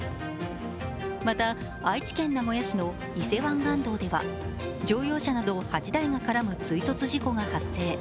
また、愛知県名古屋市の伊勢湾岸道では乗用車など８台が絡む追突事故が発生。